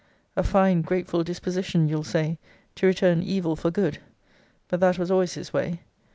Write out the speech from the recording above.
A fine grateful disposition, you'll say, to return evil for good! but that was always his way.